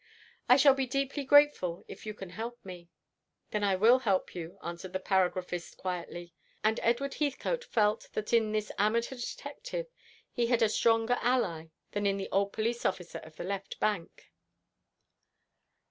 I shall be deeply grateful if you can help me." "Then I will help you," answered the paragraphist quietly; and Edward Heathcote felt that in this amateur detective he had a stronger ally than in the old police officer of the left bank.